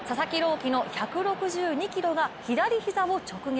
希の１６２キロが左膝を直撃。